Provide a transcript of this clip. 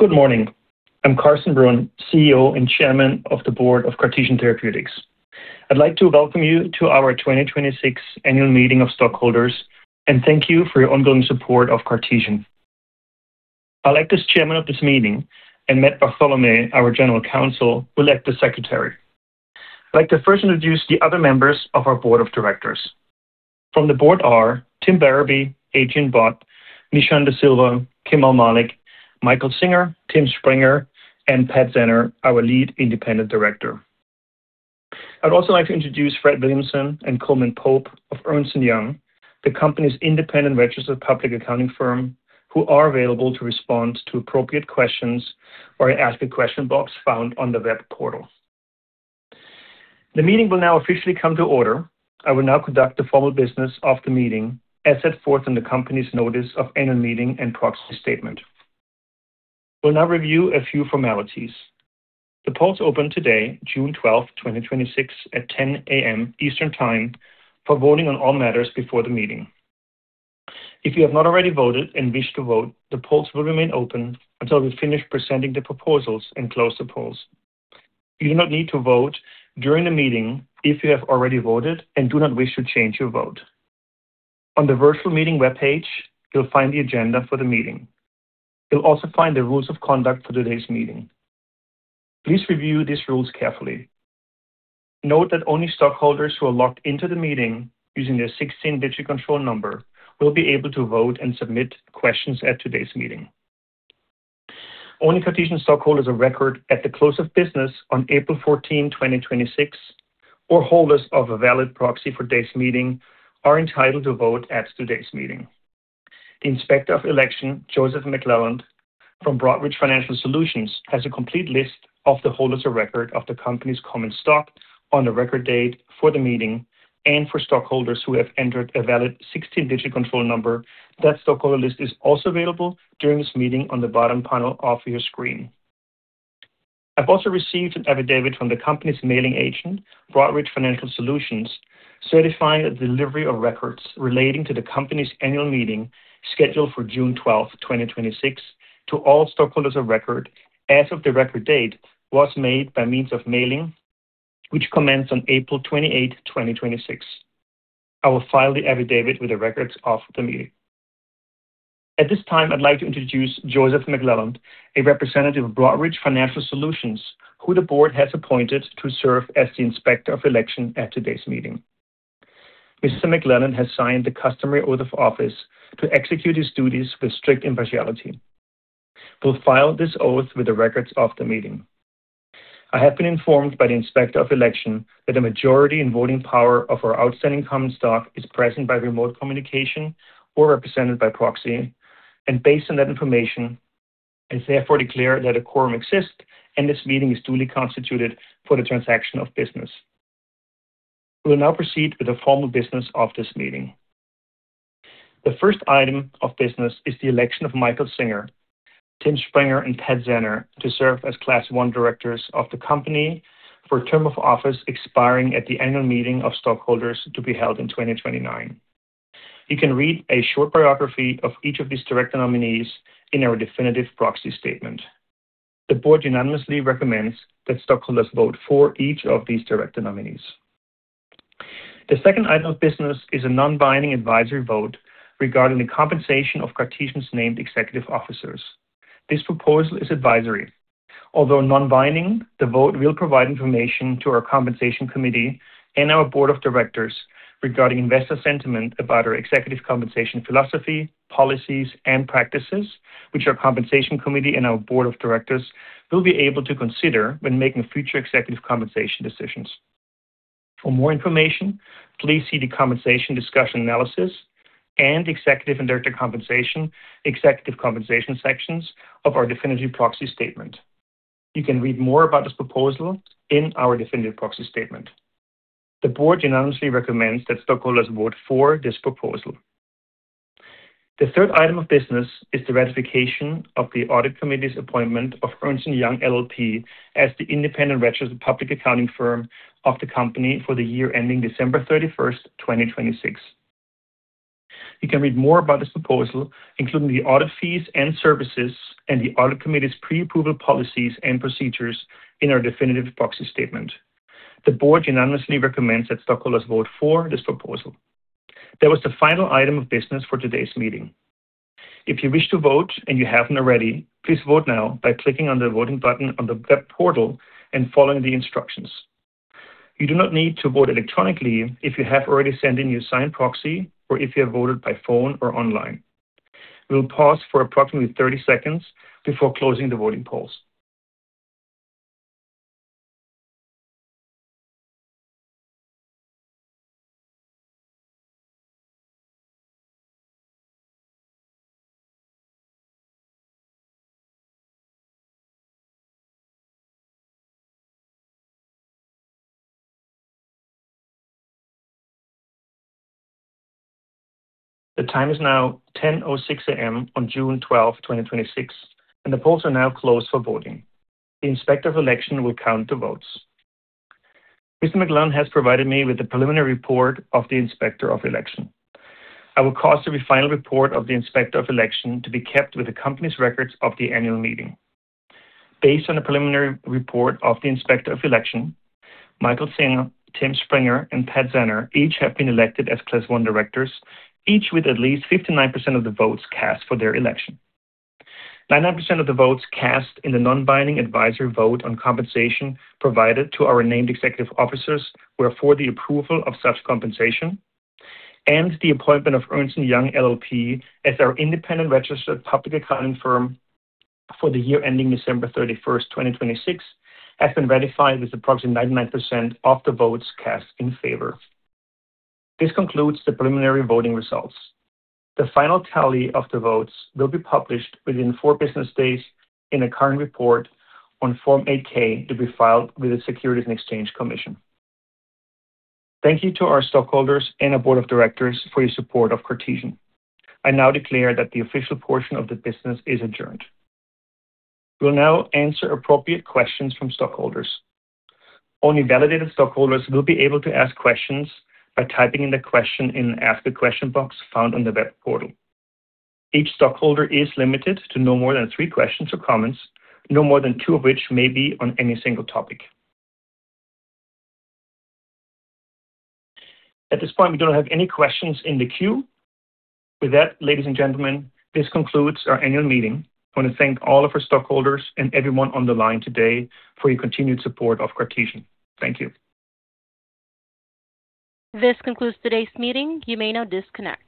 Good morning. I'm Carsten Brunn, CEO and Chairman of the Board of Cartesian Therapeutics. I'd like to welcome you to our 2026 Annual Meeting of Stockholders, and thank you for your ongoing support of Cartesian. I'll act as chairman of this meeting, and Matt Bartholomae, our general counsel, will act as secretary. I'd like to first introduce the other members of our board of directors. From the board are Tim Barabe, Adrian Bot, Nishan de Silva, Kemal Malik, Michael Singer, Tim Springer, and Pat Zenner, our lead independent director. I'd also like to introduce Fred Williamson and Coleman Pope of Ernst & Young, the company's independent registered public accounting firm, who are available to respond to appropriate questions or ask the question box found on the web portal. The meeting will now officially come to order. I will now conduct the formal business of the meeting as set forth in the company's notice of annual meeting and proxy statement. We'll now review a few formalities. The polls opened today, June 12th, 2026, at 10:00 A.M. Eastern Time for voting on all matters before the meeting. If you have not already voted and wish to vote, the polls will remain open until we finish presenting the proposals and close the polls. You do not need to vote during the meeting if you have already voted and do not wish to change your vote. On the virtual meeting webpage, you'll find the agenda for the meeting. You'll also find the rules of conduct for today's meeting. Please review these rules carefully. Note that only stockholders who are logged in to the meeting using their 16-digit control number will be able to vote and submit questions at today's meeting. Only Cartesian stockholders of record at the close of business on April 14, 2026, or holders of a valid proxy for today's meeting are entitled to vote at today's meeting. The Inspector of Election, Joseph McClelland from Broadridge Financial Solutions, has a complete list of the holders of record of the company's common stock on the record date for the meeting and for stockholders who have entered a valid 16-digit control number. That stockholder list is also available during this meeting on the bottom panel of your screen. I've also received an affidavit from the company's mailing agent, Broadridge Financial Solutions, certifying the delivery of records relating to the company's annual meeting scheduled for June 12th, 2026, to all stockholders of record as of the record date was made by means of mailing, which commenced on April 28th, 2026. I will file the affidavit with the records of the meeting. At this time, I'd like to introduce Joseph McClelland, a representative of Broadridge Financial Solutions, who the board has appointed to serve as the Inspector of Election at today's meeting. Mr. McClelland has signed the customary oath of office to execute his duties with strict impartiality. We'll file this oath with the records of the meeting. I have been informed by the Inspector of Election that a majority in voting power of our outstanding common stock is present by remote communication or represented by proxy, and based on that information, I therefore declare that a quorum exists, and this meeting is duly constituted for the transaction of business. We will now proceed with the formal business of this meeting. The first item of business is the election of Michael Singer, Tim Springer, and Pat Zenner to serve as Class I directors of the company for a term of office expiring at the annual meeting of stockholders to be held in 2029. You can read a short biography of each of these director nominees in our definitive proxy statement. The board unanimously recommends that stockholders vote for each of these director nominees. The second item of business is a non-binding advisory vote regarding the compensation of Cartesian's named executive officers. This proposal is advisory. Although non-binding, the vote will provide information to our compensation committee and our Board of Directors regarding investor sentiment about our executive compensation philosophy, policies, and practices, which our compensation committee and ourBoard of Directors will be able to consider when making future executive compensation decisions. For more information, please see the compensation discussion analysis and executive and director compensation, executive compensation sections of our definitive proxy statement. You can read more about this proposal in our definitive proxy statement. The board unanimously recommends that stockholders vote for this proposal. The third item of business is the ratification of the audit committee's appointment of Ernst & Young LLP as the independent registered public accounting firm of the company for the year ending December 31st, 2026. You can read more about this proposal, including the audit fees and services and the audit committee's preapproval policies and procedures in our definitive proxy statement. The board unanimously recommends that stockholders vote for this proposal. That was the final item of business for today's meeting. If you wish to vote and you haven't already, please vote now by clicking on the voting button on the web portal and following the instructions. You do not need to vote electronically if you have already sent in your signed proxy or if you have voted by phone or online. We will pause for approximately 30 seconds before closing the voting polls. The time is now 10:06 A.M. on June 12th, 2026, and the polls are now closed for voting. The Inspector of Election will count the votes. Mr. McClelland has provided me with the preliminary report of the Inspector of Election. I will cause the final report of the Inspector of Election to be kept with the company's records of the annual meeting. Based on the preliminary report of the Inspector of Election, Michael Singer, Tim Springer, and Pat Zenner each have been elected as Class I directors, each with at least 59% of the votes cast for their election. 99% of the votes cast in the non-binding advisory vote on compensation provided to our named executive officers were for the approval of such compensation, and the appointment of Ernst & Young LLP as our independent registered public accounting firm for the year ending December 31st, 2026, has been ratified with approximately 99% of the votes cast in favor. This concludes the preliminary voting results. The final tally of the votes will be published within four business days in a current report on Form 8-K to be filed with the Securities and Exchange Commission. Thank you to our stockholders and our board of directors for your support of Cartesian. I now declare that the official portion of the business is adjourned. We will now answer appropriate questions from stockholders. Only validated stockholders will be able to ask questions by typing in the question in the Ask a Question box found on the web portal. Each stockholder is limited to no more than three questions or comments, no more than two of which may be on any single topic. At this point, we don't have any questions in the queue. With that, ladies and gentlemen, this concludes our annual meeting. I want to thank all of our stockholders and everyone on the line today for your continued support of Cartesian. Thank you. This concludes today's meeting. You may now disconnect.